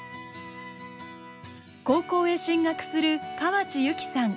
高校へ進学する河内優希さん。